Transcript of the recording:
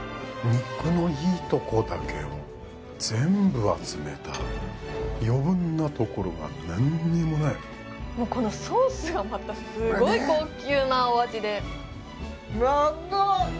肉のいいとこだけを全部集めた余分なところが何にもないこのソースがまたすごい高級なお味で何だ！？